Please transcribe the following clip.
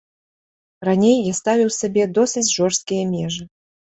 Раней я ставіў сабе досыць жорсткія межы.